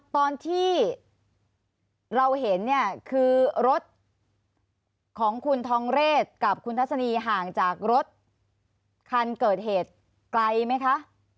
ตอนที่เราเห็นเนี่ยคือรถของคุณทองเรศกับคุณทัศนีห่างจากรถคันเกิดเหตุไกลไหมคะ